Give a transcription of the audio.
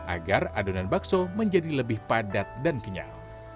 agar adonan bakso menjadi lebih padat dan kenyal